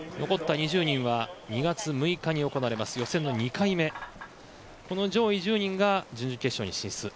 残った２０人は２月６日に行われる予選の２回目そこの上位１０人が準々決勝に進出。